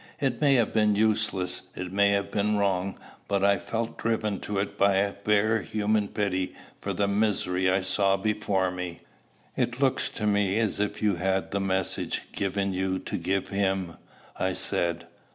It may have been useless, it may have been wrong; but I felt driven to it by bare human pity for the misery I saw before me." "It looks to me as if you had the message given you to give him," I said.